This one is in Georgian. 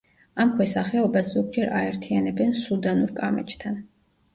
ამ ქვესახეობას ზოგჯერ აერთიანებენ სუდანურ კამეჩთან.